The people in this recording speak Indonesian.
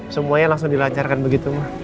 semuanya langsung dilancarkan begitu mah